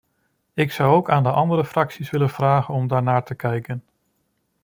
Ik zou ook aan de andere fracties willen vragen om daarnaar te kijken.